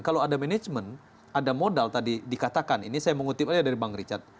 kalau ada manajemen ada modal tadi dikatakan ini saya mengutip aja dari bang richard